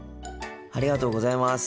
ありがとうございます。